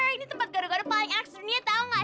ini tempat gado gado paling enak di dunia tahu gak